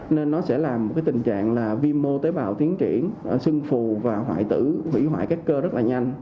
nên nó sẽ làm một cái tình trạng là viêm mô tế bào tiến triển sưng phù và hủy hoại các cơ rất là nhanh